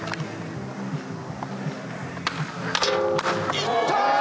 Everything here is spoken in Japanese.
いった！